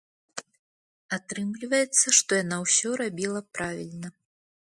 Атрымліваецца, што яна ўсё рабіла правільна.